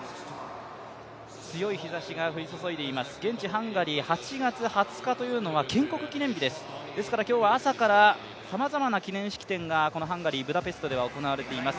強い日ざしが降り注いでいます、現地ハンガリー８月２０日というのは、建国記念日ですですから今日は朝からさまざまな記念式典がこのハンガリー・ブダペストでは行われています。